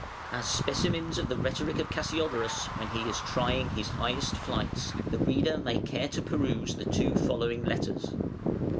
As specimens of the rhetoric of Cassiodorus when he is trying his highest flights, the reader may care to peruse the two following letters.